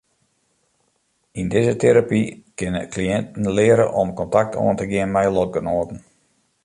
Yn dizze terapy kinne kliïnten leare om kontakt oan te gean mei lotgenoaten.